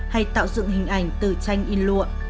hay tạo dựng hình ảnh từ tranh in lụa